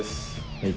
はい。